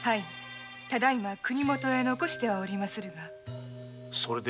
ただ今国元に残してはおりまするが。それで？